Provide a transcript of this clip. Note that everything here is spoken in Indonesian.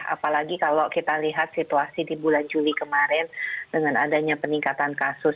apalagi kalau kita lihat situasi di bulan juli kemarin dengan adanya peningkatan kasus